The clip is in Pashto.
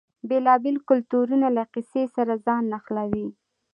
بیلابیل کلتورونه له کیسې سره ځان نښلوي.